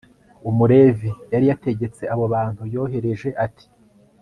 umulevi yari yategetse abo bantu yohereje, ati